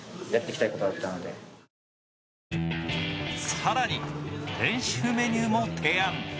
更に練習メニューも提案。